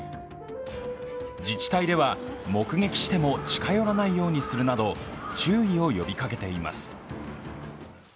自治体では、目撃しても近寄らないようにするなど注意を呼びかけています。